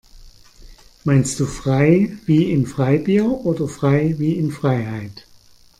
Meinst du frei wie in Freibier oder frei wie in Freiheit?